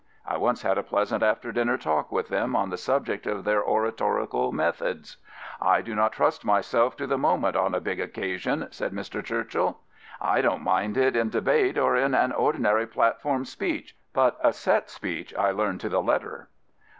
I once had a pleasant after dinner talk with them on the subject of their oratorical methods. " I do not trust myself to the moment on a big occasion," said Mr. Churchill. " I don't mind it in debate or in an ordinary platform speech; 132 David Lloyd George but a set speech I learn to the letter.